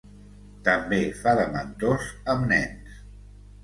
També fa de mentors amb nens.